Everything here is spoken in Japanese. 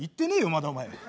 まだお前。